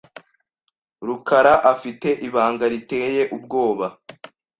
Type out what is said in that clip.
rukaraafite ibanga riteye ubwoba.